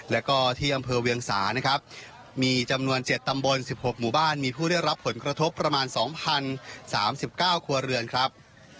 แล้วก็ที่อำเภอเวียงสานะครับมีจำนวนเจ็ดตำบลสิบหกหมู่บ้านมีผู้ได้รับผลกระทบประมาณสองพันสามสิบเก้าครัวเรือนครับ